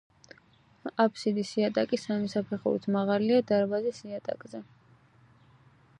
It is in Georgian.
აბსიდის იატაკი სამი საფეხურით მაღალია დარბაზის იატაკზე.